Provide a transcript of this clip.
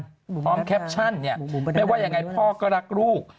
พร้อมแคปชั่นเนี่ยไม่ว่ายังไงพ่อก็รักลูก